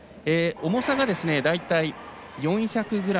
重さが大体４００ｇ。